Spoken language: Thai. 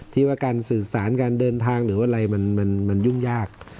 ที่ว่าการสื่อสารการเดินทางหรือว่าอะไรมันยุ่งยาก